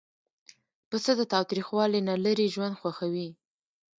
پسه د تاوتریخوالي نه لیرې ژوند خوښوي.